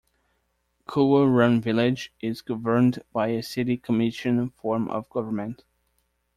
Coal Run Village is governed by a city commission form of government.